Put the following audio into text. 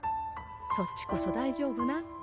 そっちこそ大丈夫なん？